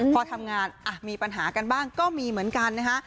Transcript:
พอทำงานมีปัญหากันบ้างก็มีเหมือนกันนะฮะ